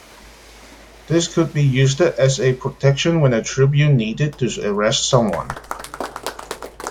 This could be used as a protection when a tribune needed to arrest someone.